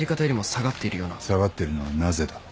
下がってるのはなぜだ。